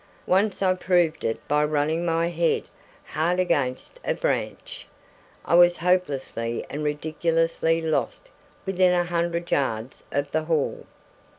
Once I proved it by running my head hard against a branch. I was hopelessly and ridiculously lost within a hundred yards of the hall!